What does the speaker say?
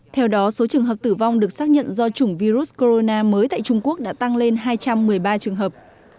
theo đó số trường hợp tử vong được xác nhận do chủng virus corona mới tại trung quốc đã tăng lên hai trăm một mươi ba trường hợp